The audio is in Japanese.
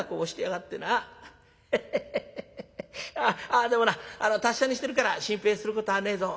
あっでもな達者にしてるから心配することはねえぞ。